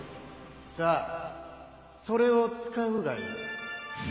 さあそれを使うがよい。